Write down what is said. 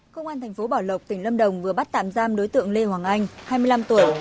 công an thành phố bảo lộc tỉnh lâm đồng vừa bắt tạm giam đối tượng lê hoàng anh hai mươi năm tuổi